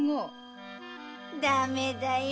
ダメだよ！